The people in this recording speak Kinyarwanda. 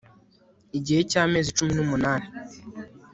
igihe cyamezi cumi numunani